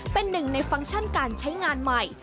เป็นหนึ่งในฟังก์ชั่นการใช้งานใหม่